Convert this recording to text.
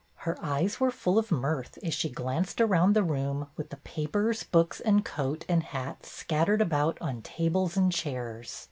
Her eyes were full of mirth as she glanced around the room, with the papers, books, and coat and hat scattered about on tables and chairs.